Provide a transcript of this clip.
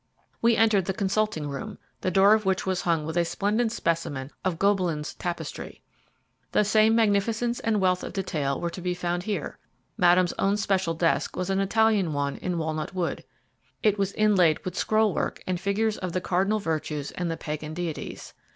We entered the consulting room, the door of which was hung with a splendid specimen of Gobelins tapestry. The same magnificence and wealth of detail were to be found here. Madame's own special desk was an Italian one in walnut wood. It was inlaid with scroll work and figures of the cardinal virtues and the pagan deities.